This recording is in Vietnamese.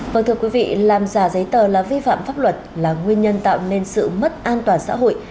vâng thưa quý vị làm giả giấy tờ là vi phạm pháp luật là nguyên nhân tạo nên sự mất an toàn xã hội